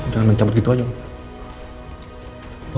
jangan mencabut gitu aja